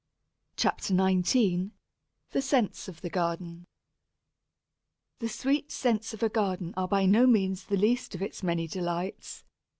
CHAPTER XIX THE SCENTS OF THE GARDEN The sweet scents of a garden are by no means the least of its many delights.